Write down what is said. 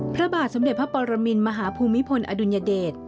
พระบาทสมเด็จพระปรมินมหาภูมิพลอดุลยเดช